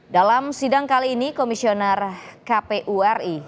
dalam sidang kali ini komisioner kpuri